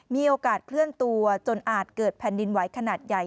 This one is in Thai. มีโอกาสเคลื่อนตัวจนอาจเกิดแผ่นดินไหวขนาดใหญ่